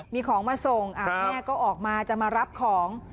มีของมาส่งแม่ก็ออกมาจะมารับของ